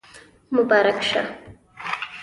مبارک شه